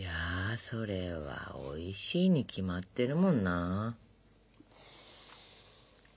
それはおいしいに決まってるもんな。